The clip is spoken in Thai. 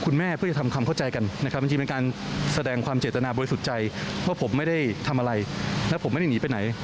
แล้วผมไม่ได้หนีไปไหน